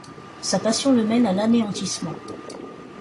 Sa passion le mène à l'anéantissement.